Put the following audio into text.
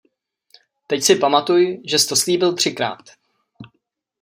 Teď si pamatuj, žes to slíbil třikrát.